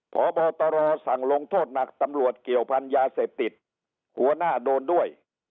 พบตรสั่งลงโทษหนักตำรวจเกี่ยวพันธุ์ยาเสพติดหัวหน้าโดนด้วย